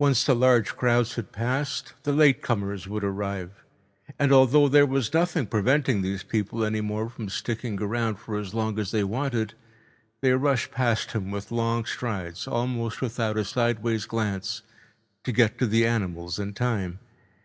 Once the large crowds had passed, the late comers would arrive, and although there was nothing preventing these people any more from sticking around for as long as they wanted, they rushed past with long strides, almost without a sideways glance, to get to the animals in time.